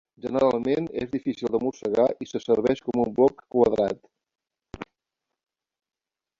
Generalment és difícil de mossegar i se serveix com un bloc quadrat.